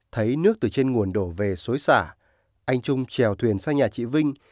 thấy nước từ trên nguồn đổ về suối xả anh trung trèo thuyền sang nhà chị vinh